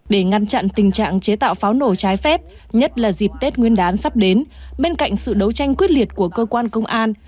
để ngăn chặn tình trạng chế tạo pháo nổ trái phép nhất là dịp tết nguyên đán sắp đến bên cạnh sự đấu tranh quyết liệt của cơ quan công an